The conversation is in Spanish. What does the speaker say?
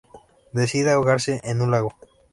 Decide ahogarse en un lago.